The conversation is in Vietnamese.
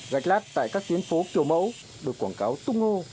gạch lát tại các tuyến phố kiểu mẫu được quảng cáo tung hô